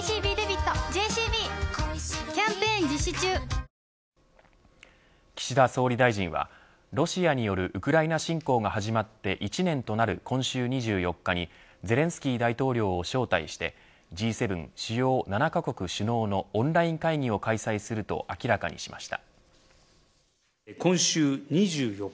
生命岸田総理大臣はロシアによるウクライナ侵攻が始まって１年となる今週２４日にゼレンスキー大統領を招待してＧ７主要７カ国首脳のオンライン会を開催すると明らかにしました。